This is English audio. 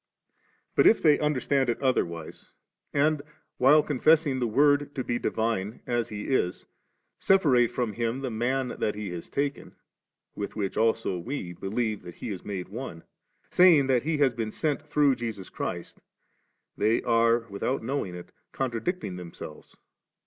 But if they under stand it otherwise, and, while confessing the Word to be divine, as He is, separate from Him the Man that He has taken, with which also we believe that He is made one, saying that He has been sent through Jesus Christ, they are, without knowing it, contradicting themselves.